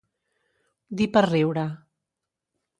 Dir per riure.